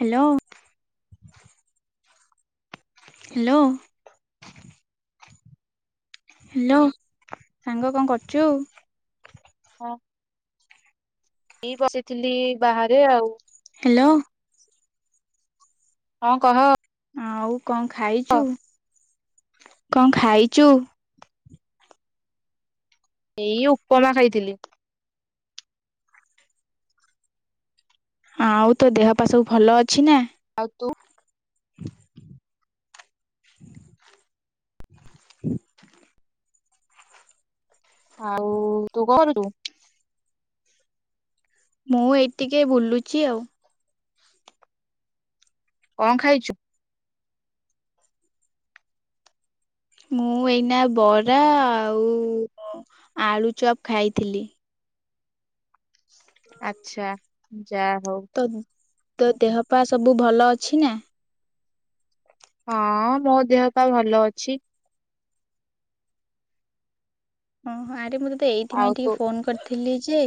Hello. Hello. Hello ସାଙ୍ଗ କଣ କରୁଚୁ? ହଁ ଏଇ ବସିଥିଲି ବାହାରେ ଆଉ। ହେଲୋ। ହଁ କହ? ଆଉ କଣ ଖାଇଚୁ କଣ ଖାଇଚୁ? ଏଇ ଉପମା ଖାଇଥିଲି। ଆଉ ତୋ ଦେହ ପା ସବୁ ଭଲ ଅଛି ନା? ଆଉ ତୁ? [unintelligible] [unintelligible] ଆଉ ତୁ କଁ କରୁଚୁ? ମୁଁ ଏଇ ଟିକେ ବୁଲୁଚି ଆଉ। କଁ ଖାଇଛୁ? ମୁଁ ଏଇନା ବରା ଆଉ ଆଳୁଚପ୍ ଖାଇଥିଲି। [unintelligible] ଆଚ୍ଛା ଯା ହଉ। ତ ତୋ ଦେହ ପା ସବୁ ଭଲ ଅଛି ନା? ହଁ ମୋ ଦେହ ପା ଭଲ ଅଛି। ଓହୋ ଆରେ ମୁଁ ତତେ ଏଇଥିପାଇଁ ଆଉ ତୁ ଟିକେ ଫୋନ୍ କରିଥିଲି ଯେ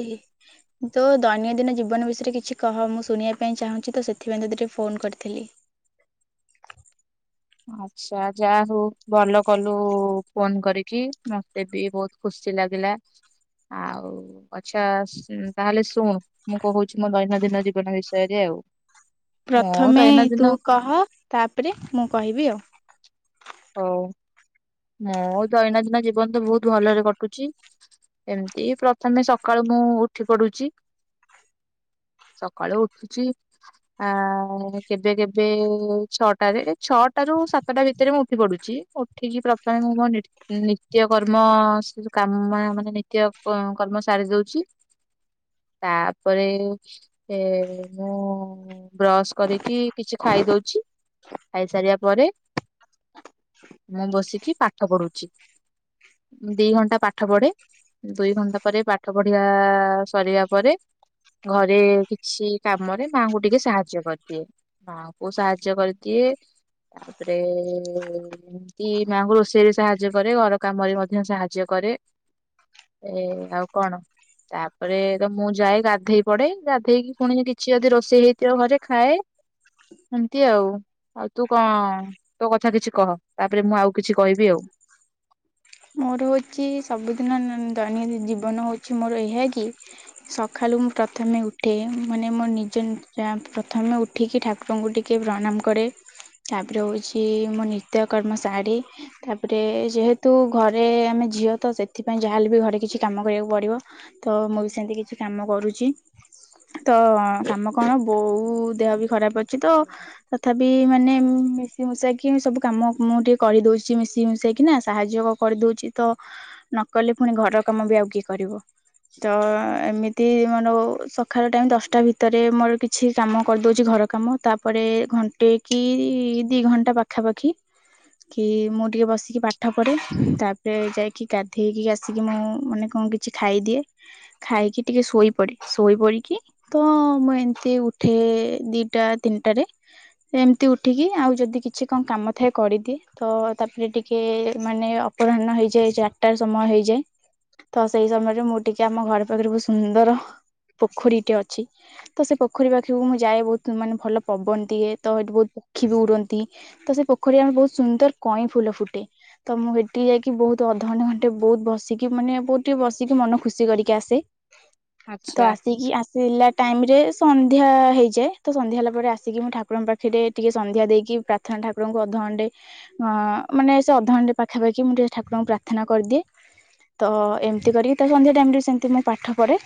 ତୋ ଦୈନନ୍ଦିନ ଜୀବନ ବିଷୟରେ କିଛି କହ ମୁଁ ଶୁଣିବା ପାଇଁ ଚାହୁଁଚି ତ ସେଥିପାଇଁ ତତେ ଟିକେ ଫୋନ୍ କରିଥିଲି। ଆଛ୍ ଆଁ ଯା ହଉ ଭଲ କଲୁ ଫୋନ୍ କରିକି ମତେ ବି ବହୁତ୍ ଖୁସି ଲାଗିଲା। ଆଉ ଆଚ୍ଛା ସ ତାହେଲେ ଶୁଣ୍ ମୁଁ କହୁଚି ମୋ ଦୈନନ୍ଦିନ ଜୀବନ ବିଷୟରେ ଆଉ। ମୋ ପ୍ରଥମେ ତୁ ଦୈନନ୍ଦିନ କହ ତାପରେ ମୁଁ କହିବି ଆଉ। ହଉ। ମୋ ଦୈନନ୍ଦିନ ଜୀବନ ତ ବହୁତ୍ ଭଲରେ କଟୁଚି। ଏମତି ପ୍ରଥମେ ସକାଳୁ ମୁଁ ଉଠି ପଡୁଚି। ସକାଳୁ ଉଠୁଚି। ଆଁ କେବେ କେବେ ଛଅଟାରେ। ଛଅଟା ରୁ ସାତଟା ଭିତରେ ମୁଁ ଉଠି ପଡୁଚି ଉଠିକି ପ୍ରଥମେ ମୁଁ ମୋ ନି ନିତ୍ୟ କର୍ମ କାମା ମାନେ ନିତ୍ୟ କ କର୍ମ ସାରି ଦଉଚି। ତାପରେ ଏ ମୁଁ ବ୍ରସ କରିକି କିଛି ଖାଇଦଉଛି। ଖାଇସାରିବା ପରେ ମୁଁ ବସିକି ପାଠ ପଢୁଛି। ଦି ଘଣ୍ଟା ପାଠ ପଢେ। ଦୁଇ ଘଣ୍ଟା ପରେ ପାଠ ପଢିବା ସରିବା ପରେ ଘରେ କିଛି କାମରେ ମାଁଙ୍କୁ ଟିକେ ସାହାଯ୍ୟ କରିଦିଏ। ମାଆଙ୍କୁ ସାହାଯ୍ୟ କରିଦିଏ ତାପରେ ଏମିତି ମାଆଙ୍କୁ ରୋଷେଇ ରୋଷେଇରେ ସାହାଯ୍ୟ କରେ ଘର କାମରେ ମଧ୍ୟ ସାହାଯ୍ୟ କରେ ଏ ଆଉ କଣ? ତାପରେ ତ ମୁଁ ଯାଏ ଗାଧେଇ ପଡେ ଗାଧେଇକି ପୁଣି କିଛି ଯଦି ରୋଷେଇ ହେଇଥିବ ଘରେ ଖାଏ। ସେମତି ଆଉ ଆଉ ତୁ କଣ ତୋ କଥା କିଛି କହ ତାପରେ ମୁଁ ଆଉ କିଛି କହିବି ଆଉ। ମୋର ହଉଚି ସବୁଦିନ ଦୈନି ଜୀବନ ହଉଚି ମୋର ଏହା କି ସଖାଲୁ ମୁଁ ପ୍ରଥମେ ଉଠେ ମାନେ ମୋ ନିଜେ ବ୍ୟାମ ପ୍ରଥମେ ଉ ଠିକି ଠାକୁରଙ୍କୁୁ ଟିକିଏ ପ୍ରଣାମ କରେ। ତାପରେ ହଉଛି ମୋ ନିତ୍ୟକର୍ମ ଶାରୀ ତାପରେ ଯେହେତୁ ଘରେ ଆମେ ଝିଅତ ସେଥିପାଇଁ ଯାହାହେଲେବି ଘରେ କିଛି କାମ କରିବାକୁ ପଡିବ। ତ ମୁଁବି ସେମିତି କିଛି କାମ କରୁଚି। ତ କାମ କଣ ବୋଉ ଦେହବି ଖରାପ ଅଛିତ? ତଥାପି ମାନେ ମିଶି ମୁଶାକି ସବୁକାମ ମୁଁ ଟିକିଏ କରିଦଉଚି ମିଶି ମୁଶାକିନା ସାହାଯ୍ୟ। କରିଦୋଉଚିତ ନକଲେ ପୁଣି ଘରକାମବି ଆଉ କିଏ କରିବ? ତ ଏମିତି ମନେହେଉ ସଖାଳ ଟାଇମ ଦଶଟା ଭିତରେ ମୋର କିଛି କାମ କରିଦୋଉଚି ଘର କାମ ତାପରେ ଘଣ୍ଟେକି ଦିଘଣ୍ଟା ପାଖାପାଖି କି ମୁଁ ଟିକିଏ ବସିକି ପାଠପଢ଼େ। ତାପରେ ଯାଇକି ଗାଧେଇକି ଆସିକି ମୁଁ ମାନେ କଣ କିଛି ଖାଇଦିଏ। ଖାଇକି ଟିକିଏ ଶୋଇପଡେ ଶୋଇପଡିକି ତ ମୁଁ ଏମିତିଉଠେ ଦିଟା ତିନିଟାରେ। ଏମତି ଉଠିକି ଆଉ ଯଦି କିଛି କଣ କାମଥାଏ କରିଦିଏ ତ ତାପରେ ଟିକିଏ ମାନେ ଅ ଅପରାହ୍ନ ହେଇଯାଏ ଚାରିଟା ସମୟ ହେଇଯାଏ। ତ ସେଇ ସମୟରେ ମୁଁ ଟିକିଏ ଆମ ଘରପାଖରେ ବୋହୁତ ସୁନ୍ଦର ପୋଖରୀଟେ ଅଛି। ତ ସେ ପୋଖରୀ ପାଖିକୁ ମୁଁ ଯାଏ ବହୁତ ମାନେ ଭଲ ପବନ ଦିଏ ତ ହେଠି ବହୁତ ପକ୍ଷୀବି ଉଡନ୍ତି। ତ ସେପୋଖରୀ ଆମେ ବହୁତ ସୁନ୍ଦର କଇଁଫୁଲ ଫୁଟେ ତ ମୁଁ ସେଇ ଟିକି ଯାଇକି ବହୁତ ଅଧଘଣ୍ଟେ ଘଣ୍ଟେ ବହୁତ ବସିକି ମାନେ ବହୁତ ଟିକିଏ ବସିକି ମନଖୁସି କରିକି ଆସେ। ତ ଆଚ୍ଛା। ଆସିକି ଆସ ସିଲା ଟାଇମରେ ସନ୍ଧ୍ୟା ହେଇଯାଏ ତ ସନ୍ଧ୍ୟା ହେଲାପରେ ଆସିକି ମୁଁ ଠାକୁରଙ୍କ ପାଖେ ଟିକିଏ ସନ୍ଧ୍ୟା ଦେଇକି ପ୍ରା ଥା ଠାକୁରଙ୍କୁ ଅଧଘଣ୍ଟେ ଅଁ ମାନେ ସେ ଅଧଘଣ୍ଟେ ପାଖାପାଖି। କି ମୁଁ ଟିକିଏ ଠାକୁରଙ୍କୁ ପ୍ରାର୍ଥନା କରିଦିଏ। ତ ଏମିତି କରିକି ତ ସନ୍ଧ୍ୟା ଟାଇମରେ ସେମିତି ମୁଁ ପାଠ ପଢେ।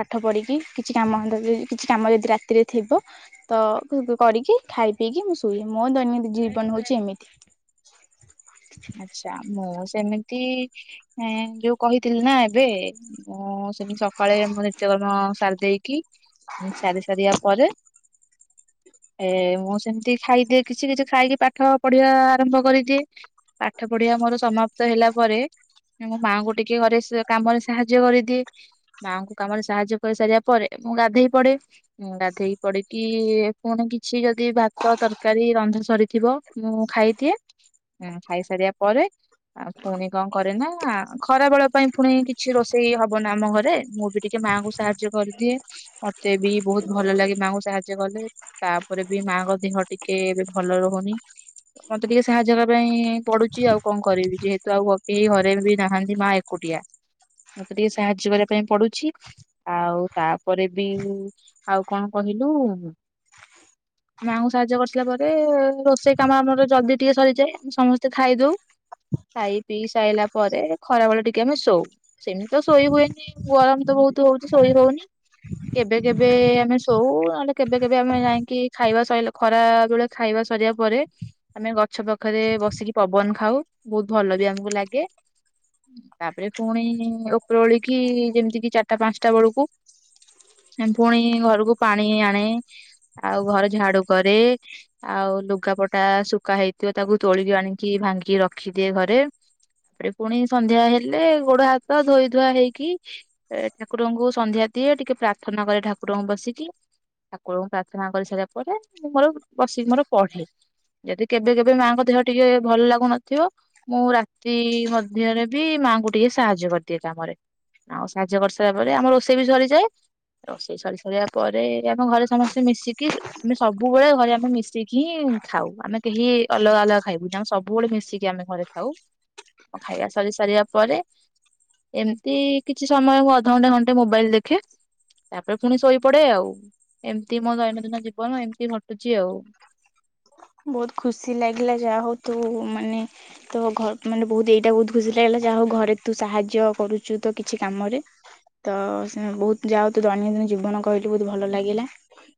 ପାଠ ପଢିକି କିଛି କାମ ଯଦି କିଛି କାମ ଯଦି ରାତିରେ ଥିବ ତ କୁ କୁ କରିକି ଖାଇ ପିଇକି ମୁଁ ଶୁଏ ମୋ ଦୈନନ୍ଦିନ ଜୀବନ ହଉଛି ଏମିତି। ଆଚ୍ଛା ମୁଁ ସେମିତି ଏଁ ଯୋଉ କହିଥିଲିନା ଏବେ ମୁଁ ସେମିତି ସବୁ। କଳେ ମୁଁ ନିତ୍ୟକର୍ମ ସାରି ଦେଇେଇକି ସାରି ସାରିବା ପରେ ଏ ମୁଁ ସେମିତି ଖାଇଦିଏ କିଛି କିଛି ଖାଇକି ପାଠ ପଢିବା ଆରମ୍ଭ କରିଦିଏ। ପାଠ ପଢିବା ମୋର ସମାପ୍ତ ହେଲାପରେ ମୋ ମାଆଙ୍କୁ ଟିକିଏ ଘରେ ସେ କାମରେ ସାହାଯ୍ୟ କରେଇଦିଏ। ମାଆଙ୍କୁ କାମରେ ସାହାଯ୍ୟ କରିସାରିବା ପରେ ମୁଁ ଗାଧେଇ ପଡେ। ମୁଁ ଗାଧୋଇକି ପଡିକି ପୁଣି କିଛି ଯଦି ଭାତ ତରକାରୀ ରନ୍ଧା ସରିଥିବ। ମୁଁ ଖାଇଦିଏ। ଏଁ ଖାଇସାରିବା ପରେ ଆଉ ପୁଣି କଣ କରେନା ଖରାବେଳ ପାଇଁ ପୁଣି କିଛି ରୋଷେଇ ହବନା ଆମଘରେ ମୁଁବି ଟିକେ ମାଙ୍କୁ ସାହାଯ୍ୟ କରିଦିଏ ମତେ ବି ବହୁତ ଭଲ ଲାଗେ ତାଙ୍କୁ ସାହାଯ୍ୟ କଲେ। ତାପରେ ବି ମାଙ୍କ ଦେହ ଟିକେ ଏବେ ଭଲ ରହୁନି ମତେ ଟିକେ ସାହାଯ୍ୟ ସେଥପାଇଁ ପଢୁଛି ଆଉ କଣ କରିବି ଯେହେତୁ ଆଉ କେହି ଘରେବି ନାହାନ୍ତି ମା ଏକୁଟିଆ। ମତେ ଟିକିଏ ସାହାଯ୍ୟ କରିବା ପାଇଁ ପଡୁଛି। ଆଉ ତାପରେବି ଆଉ କଣ କହିଲୁ? ମାଙ୍କୁ ସାହାଯ୍ୟ କରିିସାରିଲା ପରେ ରୋଷେଇ କାମ ଆମର ଜଲଦି ଟିକିଏ ସରିଯାଏ। ସମସ୍ତେ ଖାଇଦଉ ଖାଇ ପିଇ ସାଇଲା ପରେ ଖରାବେେଳେ ଟିକିଏ ଆମେ ଶୋଉ। ସେମିତି ତ ଶୋଇ ହୁଏନି ଗରମ୍ ତ ବହୁତ୍ ହଉଛି ଶୋଇ ହୋଉନି। କେବେ କେବେ ଆମେ ଶୋଉ ନହେଲେ କେବେ କେବେ ଆମେ ଯାଇକି ଖାଇବା ସଇଲେ ଖରା ବେଳେ ଖାଇବା ସରିବା ପରେ ଆମେ ଗଛ ପ ପାଖରେ ବସିକି ପବନ ଖାଉ ବୋହୁତ୍ ଭଲ ବି ଆମକୁ ଲାଗେ। ତାପରେ ପୁଣି ଉପର ଓଳିକି ଯେମିତି କିି ଚାରିଟା ପାଞ୍ଚଟା ବେଳକୁ ପୁଣି ଘରକୁ ପାଣି ଆଣେ। ଆଉ ଘର ଝାଡୁ କରେ, ଆଉ ଲୁଗାପଟା ଶୁଖା ହେଇ ଥିବ ତାକୁ ତୋଳିକି ଆଣିକି ଭାଙ୍ଗିକି ରଖିଦିଏ ଘରେ। ତାପରେ ପୁଣି ସନ୍ଧ୍ୟା ହେଲେ ଗୋଡ ହାତ ଧୋଇ ଧୁଆ ହେଇକି ଠାକୁରଙ୍କୁ ସନ୍ଧ୍ୟା ଦିଏ ଟିକେ ପ୍ରାର୍ଥନା କଲେ ଠାକୁରଙ୍କୁ ବସିକି। ଠାକୁରଙ୍କୁ ପ୍ରାର୍ଥନା କରିସାରିଲା ପରେ ମୁଁ ମୋର ବସିକି ମୋର ପଢେ ଯଦି କେବେ କେ ବେ ମାଙ୍କ ଦେହ ଟିକେ ଭଲ୍ ଲାଗୁନଥିବ। ମୁଁ ରାତି ମଧ୍ୟରେ ବି ମାଙ୍କୁ ଟିକେ ସାହାଯ୍ୟ କରିଦିଏ କାମରେ। ଆଉ ସାହାଯ୍ୟ କରିସାରିଲା ପରେ ଆମ ରୋଷେଇ ବି ସରିଯାଏ। ରୋଷେଇ ସରି ସରିବା ପରେ ଆମ ଘରେ ସମସ୍ତେ ମିଶିକି ଆମେ ସବୁବେଳେ ଘରେ ଆମେ ମିଶିକି ଖାଉ ଆମେ କେହି ଅଲଗା ଅଲଗା ଖାଇବୁନି ଆମେ ସବୁବେଳେ ମିଶିକି ଆମେ ଘରେ ଖାଉ। ଖାଇବା ସରି ସାରିବା ପରେ ଏମିତି କିଛି ସମୟ ମୁଁ ଅଧଘଣ୍ଟା ଘଣ୍ଟେ ମୋବାଇଲ ଦେଖେ। ତାପରେ ପୁଣି ଶୋଇପଡେ ଆଉ, ଏମିତି ମୋ ଦୈନନ୍ଦିନ ଜୀବନ ଏମିତି ଘଟୁଛି ଆଉ। ବୋହୁତ୍ ଖୁସି ଲାଗିଲା ଯାହା ହଉ ତୁ ମାନେ ତ ଘ ମାନେ ବହୁତ୍ ଏଇଟା ବୋହୁତ୍ ଖୁସି ଲାଗିଲା ଯାହା ହଉ ଘରେ ତୁ ସାହାଯ୍ୟ କରୁଚୁ ତ କିଛି କାମରେ। ତ ସେ ବହୁତ୍ ଯାଉ ତ ଦୈନନ୍ଦିନ ଜୀବନ କହିଲି ବୋହୁତ୍ ଭଲ ଲାଗିଲା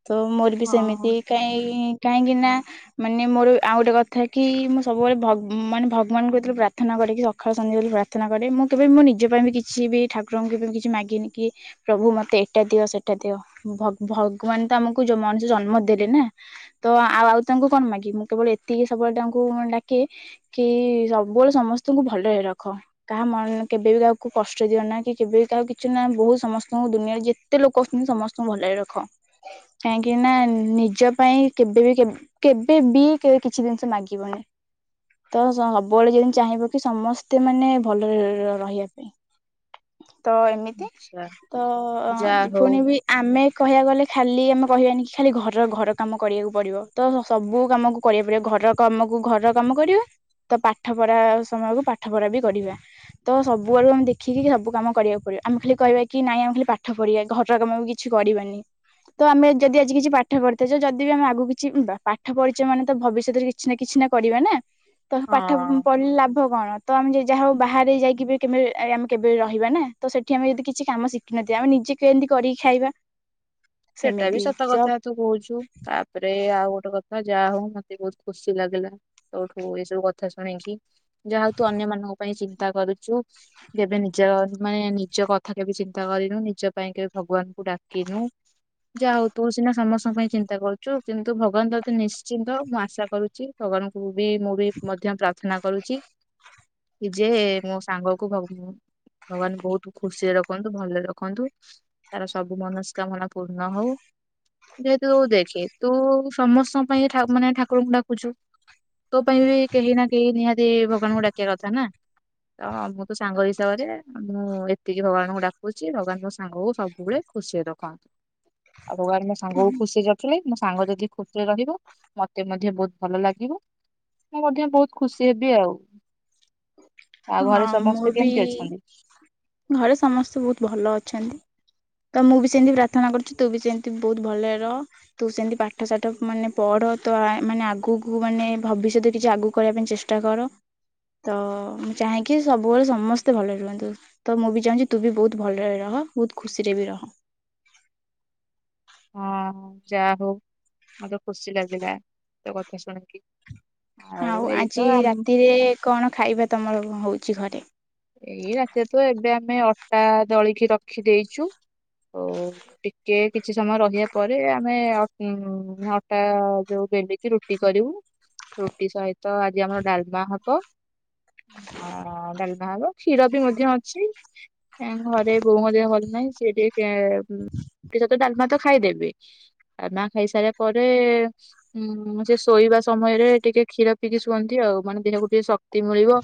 ତ ମୋ ମୁଁ ବି ହଁ ସେମିତି କାଇଁ କାହିଁକି ନା ମାନେ ମୋର ଆଉ ଗୋଟେ କଥା କି ମୁଁ ସବୁବେଳେ ଭଗ୍ ମାନେ ଭଗବାନଙ୍କୁ ପ୍ରାର୍ଥନା କରିକି ସକାଳେ ସନ୍ଧ୍ୟାରେ ପ୍ରାର୍ଥନା କରେ ମୁଁ କେବେ ମୋ ନିଜ ପାଇଁ ବି କିଛି ବି ଠାକୁରଙ୍କୁ କେବେ କିଛି ମାଗିନି କି ପ୍ରଭୁ ମତେ ଏଇଟା ଦିଅ ସେଟା ଦିଅ, ଭଗ୍ ଭଗବାନ ତ ଆମକୁ ଯୋଉ ମଣିଷ ଜନ୍ମ ଦେଲେ ନା। ତ ଆଉ ଆଉ ତାଙ୍କୁ କଣ ମାଗେ ମୁଁ କେବଳ ଏତିକି ସବୁବେଳେ ତାଙ୍କୁ ଡାକେ କି ସବୁବେଳେ ସମସ୍ତଙ୍କୁ ଭଲରେ ରଖ। କାହା ମନ୍ କେବେ ବିି କାହାକୁ କଷ୍ଟ ଦିଅ ନା କି କେବେ ବି କାକୁ କିଛି ନା ବହୁତ୍ ସମସ୍ତଙ୍କୁ ଦୁନିଆରେ ଯେତ ଏତେ ଲୋକଛନ୍ତି ସମସ୍ତଙ୍କୁ ଭଲରେ ରଖ କାହିଁକି ନା ନିଜ ପାଇଁ କେବେବି କେବେ କେବେ ବି କେବେ କିଛି ଜିନିଷ ମାଗିବନି। ତ ସବୁବେଳେ ଯେମିତି ଚାହିଁବ କି ସମସ୍ତେ ମାନେ ଭଲରେ ରହି ରହିବା ପାଇଁ। ତ ଏମିତି, ଆଚ୍ଛା ତ ଯା ହଉ। ପୁଣି ବି ଆମେ କହିବାକୁ ଗଲେ ଖାଲି ଆମେ କହିବାନି କି ଖାଲି ଘର ଘର କାମ କରିବାକୁ ପଡିବ ତ ସବୁ କାମକୁ କରିବାକୁ ପଡିବ ଘରର କାମକୁ ଘରର କାମ କରିବା। ତ ପାଠ ପଢା ସମୟକୁ ପାଠ ପଢା ବି କରିବା। ତ ସବୁଆଡୁ ଆମେ ଦେଖିକି ସବୁ କାମ କରିବାକୁ ପଡିବ ଆମେ ଖାଲି କହିବା କି ନାଇଁ ଖାଲି ପାଠ ପଢିବା ଘର କାମ ବି କିଛ୍ କିଛି କରିବାନି ତ ଆମେ ଯଦି ଆଜି କିଛି ପାଠ ପଢିଥିବା ଯଦି ବି ଆମେ ଆଗକୁ କିଛି ପାଠ ପଢିଚ ମାନେ ତ ଭବିଷ୍ୟତରେ କିଛି ନା କିଛି ନା କରିବା ନା, ତ ପାଠ ହଁ ପଢିଲେ ଲାଭ କଣ ତ ଆମେ ଯାହା ହଉ ବାହାରେ ଯାଇକି ବି କେବେ ଆମେ କେବେ ରହିବା ନା ତ ସେଠି ଆମେ ଯଦି କିଛି କାମ ଶିଖି ଶିଖିନଥିବା ଆମେ ନିଜେ କେମତି କରିକି ଖାଇବା। ସେଟା ବି ସେମିତି ସତ କଥା ଜବ୍ ତୁ କହୁଛୁ ତା ତାପରେ ଆଉ ଗୋଟେ କଥା ଯାହା ହଉ ମତେ ବହୁତ୍ ଖୁସି ଲାଗିଲା ତୋଠୁ ଏଇ ସବୁ କଥା ଶୁଣିକି। ଯାହା ହଉ ତୁ ଅନ୍ୟ ମାନଙ୍କ ପାଇଁ ଚିନ୍ତା କରୁଛୁ। କେବେ ନିଜ ମାନେ ନିଜ କଥା କେବେ ଚିନ୍ତା କରିନୁ ନିଜ ପାଇଁ କେବେ ଭଗବାନ୍ ଙ୍କୁ ଡାକିନୁ। ଯା ହଉ ତୁ ସିନା ସମସ୍ତଙ୍କ ପାଇଁ ଚିନ୍ତା କରୁଛୁ କିନ୍ତୁ ଭଗବାନ ତତେ ନିଶ୍ଚିନ୍ତ ମୁଁ ଆଶା କରୁଛି। ଭଗବାନଙ୍କୁ ବି ମୁଁ ବି ମଧ୍ୟ ପ୍ରାର୍ଥନା କରୁଛି। ଯେ ମୋ ସାଙ୍ଗକୁ ଭଗ ଭଗବାନ ବହୁତ ଖୁସିରେ ରଖୁ। ରଖନ୍ତୁ ଭଲରେ ରଖନ୍ତୁ ତାର ସବୁ ମନସ୍କାମନା ପୂର୍ଣ୍ଣ ହଉ। ଯେହେତୁ ଦେଖେ ତୁ ସମସ୍ତଙ୍କ ପାଇଁ ଠାକୁ ମାନେ ଠାକୁରଙ୍କୁ ଡାକୁଛୁ। ତୋ ପାଇଁ ବି କେହି ନା କେହି ନିହାତି ଭଗବାନଙ୍କୁ ଡାକିବା କଥା ନା। ତ ମୁଁ ତୋ ସାଙ୍ଗ ହିସାବରେ ମୁଁ ଏତିକି ଭଗବାନଙ୍କୁ ଡାକୁଉଛି ଭଗବାନ ମୋ ସାଙ୍ଗକୁ ସବୁବେଳେ ଖୁସିରେ ରଖନ୍ତୁ ଆଉ ଭଗବାନ ମୋ ସାଙ୍ଗକୁ ଖୁସିରେ ର ଖିଲେ ମୋ ସାଙ୍ଗ ଯଦି ଖୁସିରେ ରହିବ ମତେ ମଧ୍ୟ ବହୁତ ଭଲ ଲାଗିବ। ମୁଁ ମଧ୍ୟ ବହୁତ ଖୁସି ହେବି ଆଉ। ଆଉ ହଁ ଘରେ ସମସ୍ତେ ମୁଁ ବି। କେମିତି ଅଛନ୍ତି? ଘରେ ସମସ୍ତେ ବହୁତ ଭଲ ଅଛନ୍ତି। ତ ମୁଁ ବି ସେମିତି ପ୍ରାର୍ଥନା କରୁଛି ତୁ ବି ସେମତି ବହୁତ ଭଲରେ ରହ। ତୁ ସେମିତି ପାଠ ସାଠ ମାନେ ପଢ ତୁ ଆଇ ମାନେ ଆଗକୁ ମାନେ ଭବିଷ୍ୟତରେ କିଛି ଆଗକୁ କରିବା ପାଇଁ ଚେଷ୍ଟା ଷ୍ଟା କର ତ ମୁଁ ଚାହେଁକି ସବୁବେଳେ ସମସ୍ତେ ଭଲରେ ରୁହନ୍ତୁ। ତ ମୁଁ ବି ଚାହୁଁଚି ତୁ ବି ବହୁତ ଭଲରେ ରହ ବହୁତ ଖୁସିରେ ବି ରହ। ହଁ ଯାହା ହଉ ମତେ ଖୁସି ଲାଗିଲା ତୋ କଥା ଶୁଣିକି। ଆଉ ଏଇତ ଆଜି ଆମ ରାତିରେ କଣ ଖାଇବା ତମର ହଉଚି ଘରେ? ଏଇ ରାତିରେ ତ ଏବେ ଆମେ ଅଟା ଦଳିକି ରଖି ଦେଇେଚୁ ଅଉ ଟିକେ କିଛି ସମୟ ରହିବା ପରେ ଆମେ ଅ ଅଟା ଯୋଉ ବେଲିକି ରୁ ଟି କରିବୁ। ରୁଟି ସହିତ ଆଜି ଆମର ଡାଲମା ହବ ଅ ଡାଲ ନା ମ କ୍ଷୀର ବି ମଧ୍ୟ ଅଛି ଏଁ ଘରେ ବୋଉଙ୍କ ଦେହ ଭଲ ନାଇଁ ସିଏ ଟିକେ ସିଏ ଟିକେ ରୁଟି ସହିତ ଡାଲମା ତ ଖାଇଦେବେ ଡାଲମା ଖାଇସାରିବା ପରେ ହୁଁ ସେ ଶୋଇବା ସମୟରେ ଟିକେ କ୍ଷୀର ପିିକି ଶୁଅନ୍ତି। ଆଉ ମାନେ ଦେହକୁ ଟିକେ ଶକ୍ତି ମିଳିବ।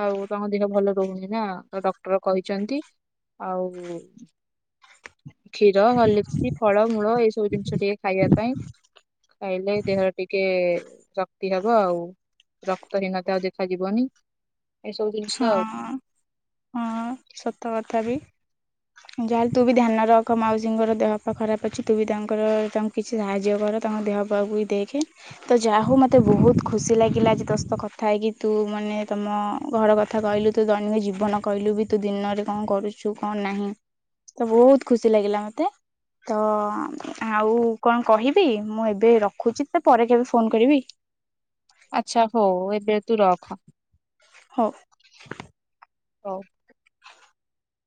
ଆଉ ତାଙ୍କ ଦେହ ଭଲ ରହୁନି ନା ତ ଡକ୍ଟର କହିଛନ୍ତି ଆଉ କ୍ଷୀର ହର୍ଲିକ୍ସ ଫଳ ମୂଳ ଏଇ ସବୁ ଜିନିଷ ଟିକେ ଖାଇବା ପାଇଁ ଖାଇଲେ ଦେହରେ ଟିକେ ଜ କ୍ତି ହବ ଆଉ ରକ୍ତହୀନତା ଆଉ ଦେଖାଯିବନି। ଏ ସବୁ ଜିନିଷ ହଁ ଆଉ ହଁ ସତ କଥା ବି। ଯାହାହେଲେ ତୁ ବି ଧ୍ୟାନ ରଖ ମାଉସୀଙ୍କର ଦେହ ପା ଖରାପ ଅଛି ତୁ ବି ତାଙ୍କର ତାଙ୍କ କିଛି ସାହାଯ୍ୟ କର ତାଙ୍କ ଦେହ ପାହାକୁ ବି ଦେଖେ। ତ ଯା ହଉ ମତେ ବହୁତ ଖୁସି ଲାଗିଲା ଆଜି ତୋ ସହିତ କଥା ହେଇକି ତୁ ମାନେ ତମ ଘର କଥା କଥା କହିଲୁ ତୁ ଦୈନିକ ଜୀବନ କହିଲୁ ବି ତୁ ଦିନରେ କଣ କରୁଚୁ କଣ ନାହିଁ। ତ ବହୁତ ଖୁସି ଲାଗିଲା ମତେ। ତ ଆଉ କଣ କହିବି ମୁଁ ଏବେ ରଖୁଚି ତ ପରେ କେବେ ଫୋନ କରିବି। ଆଛା ହଉ ଏବେ ତୁ ରଖ। ହଉ। ହଉ।